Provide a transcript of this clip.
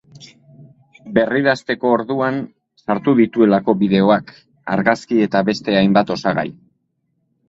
Berridazteko orduan sartu dituelako bideoak, argazkiak eta beste hainbat osagai.